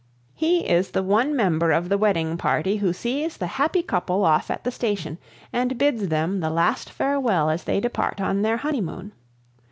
He is the one member of the wedding party who sees the happy couple off at the station and bids them the last farewell as they depart on their honeymoon.